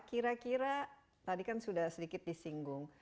kira kira tadi kan sudah sedikit disinggung